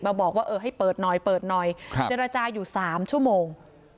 มาบอกว่าให้เปิดน้อยจะระจายอยู่๓ชั่วโมง